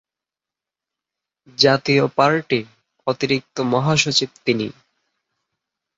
জাতীয় পার্টির অতিরিক্ত মহাসচিব তিনি।